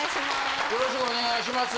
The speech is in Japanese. よろしくお願いします